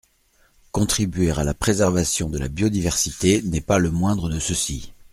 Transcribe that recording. Contribuer à la préservation de la biodiversité n’est pas le moindre de ceux-ci.